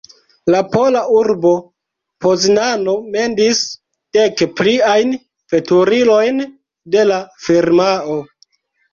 La pola urbo Poznano mendis dek pliajn veturilojn de la firmao.